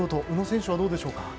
宇野選手はどうでしょうか？